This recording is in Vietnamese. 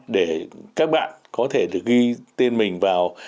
để các bạn có thể ghi tên mình vào